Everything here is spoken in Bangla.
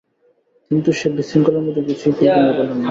কিন্তু সে বিশৃঙ্খলার মধ্যে কিছুই কুলকিনারা পাইলেন না।